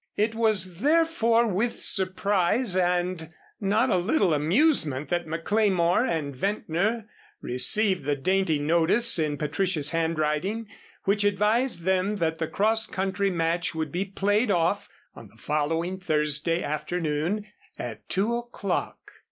It was, therefore, with surprise and not a little amusement that McLemore and Ventnor received the dainty notice in Patricia's handwriting, which advised them that the Cross Country Match would be played off on the following Thursday afternoon, at two o'clock.